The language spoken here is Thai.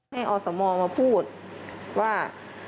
ให้ออสโมมาพูดว่า